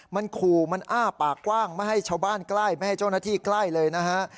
มันขู่มันอ้าปากกว้างไม่ให้ชาวบ้านใกล้ไม่ให้เจ้าหน้าที่ใกล้เลยนะฮะ